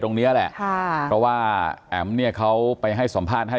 ตรงนี้แหละค่ะเพราะว่าแอ๋มเนี่ยเขาไปให้สัมภาษณ์ให้